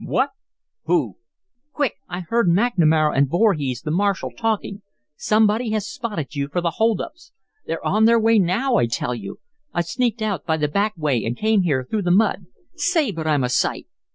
"What!" "Who?" "Quick! I heard McNamara and Voorhees, the marshal, talking. Somebody has spotted you for the hold ups. They're on their way now, I tell you. I sneaked out by the back way and came here through the mud. Say, but I'm a sight!"